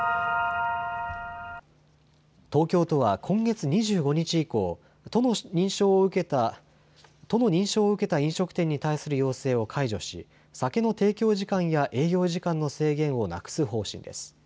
東京都は今月２５日以降、都の認証を受けた飲食店に対する要請を解除し酒の提供時間や営業時間の制限をなくす方針です。